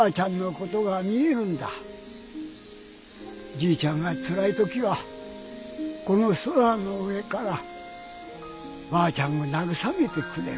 じいちゃんがつらい時はこのソラの上からばあちゃんがなぐさめてくれる。